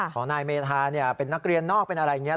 ของนายเมธาเป็นนักเรียนนอกเป็นอะไรอย่างนี้